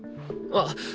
あっ。